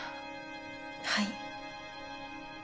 はい。